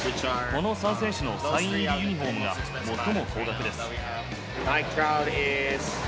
この３選手のサイン入りユニホームが最も高額です。